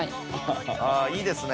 いいですね